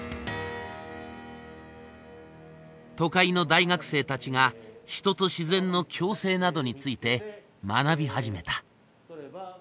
都会の大学生たちが人と自然の共生などについて学び始めた。